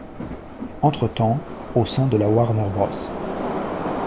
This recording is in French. Entretemps — au sein de la Warner Bros.